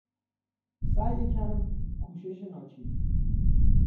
سعی کم، کوشش ناچیز